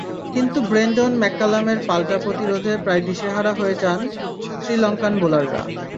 কিন্তু ব্রেন্ডন ম্যাককালামের পাল্টা প্রতিরোধে প্রায় দিশেহারা হয়ে যান শ্রীলঙ্কান বোলাররা।